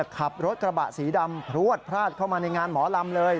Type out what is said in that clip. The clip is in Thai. ขับรถกระบะสีดำพลวดพลาดเข้ามาในงานหมอลำเลย